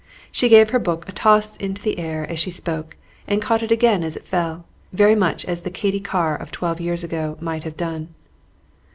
She gave her book a toss into the air as she spoke, and caught it again as it fell, very much as the Katy Carr of twelve years ago might have done.